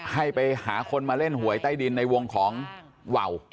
ให้ไปหาคนมาเล่นหวยใต้ดินในวงของวาว